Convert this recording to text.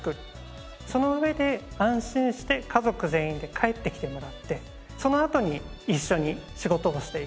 その上で安心して家族全員で帰ってきてもらってそのあとに一緒に仕事をしていく。